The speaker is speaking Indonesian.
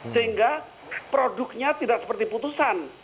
sehingga produknya tidak seperti putusan